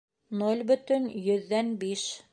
Ноль бөтөн йөҙҙән биш